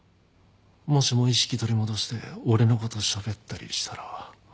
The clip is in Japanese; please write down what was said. もしも意識取り戻して俺の事しゃべったりしたら。